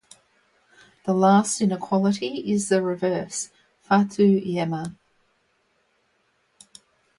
The last inequality is the reverse Fatou lemma.